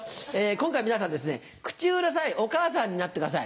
今回皆さん口うるさいお母さんになってください。